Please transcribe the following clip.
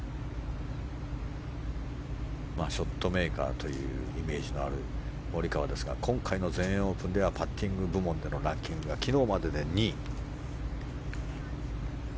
ショットメーカーというイメージのあるモリカワですが今回の全英オープンではパッティング部門でのランキングが昨日までで２位。